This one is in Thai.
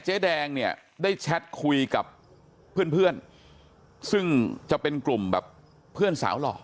เจ๊แดงเนี่ยได้แชทคุยกับเพื่อนซึ่งจะเป็นกลุ่มแบบเพื่อนสาวหล่อ